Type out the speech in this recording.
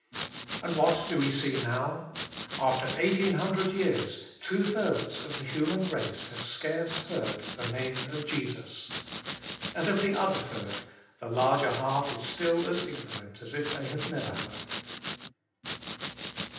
And what do we see now? After 1800 years two thirds of the human race have scarce heard the name of Jesus. And of the other third, the larger half is still as ignorant as if they had never heard.